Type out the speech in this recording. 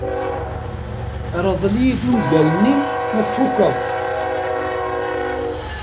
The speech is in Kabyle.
Rḍel-iyi-d ungal-nni ma tfukeḍ-t.